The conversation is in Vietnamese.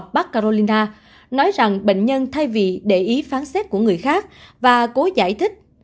bắc carolina nói rằng bệnh nhân thay vì để ý phán xét của người khác và cố giải thích